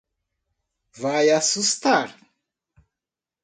Vai assustar.